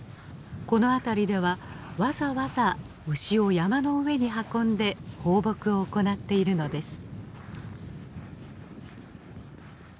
この辺りではわざわざ牛を山の上に運んで放牧を行っているのです。